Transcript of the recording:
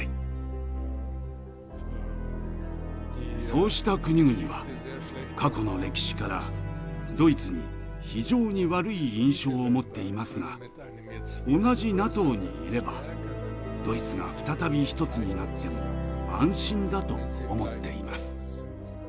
そうした国々は過去の歴史からドイツに非常に悪い印象を持っていますが同じＮＡＴＯにいればドイツが再び１つになっても安心だと思っています。